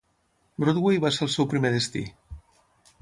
Broadway va ser el seu primer destí.